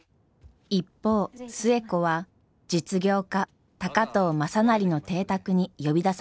一方寿恵子は実業家高藤雅修の邸宅に呼び出されていました。